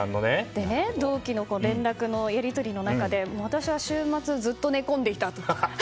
同期の子、連絡のやり取りの中で私は週末、ずっと寝込んでいたと。